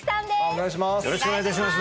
お願いします